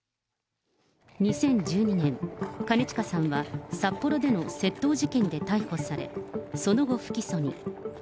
２０１２年、兼近さんは札幌での窃盗事件で逮捕され、その後、不起訴に。